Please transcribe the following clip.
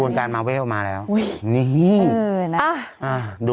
พี่ขับรถไปเจอแบบ